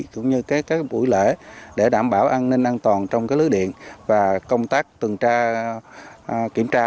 cũng như các buổi lễ để đảm bảo an ninh an toàn trong lưới điện và công tác tuần tra kiểm tra